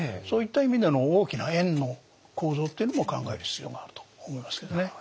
そういった意味での大きな円の構造っていうのも考える必要があると思いますけどね。